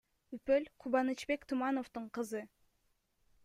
Үпөл — Кубанычбек Тумановдун кызы.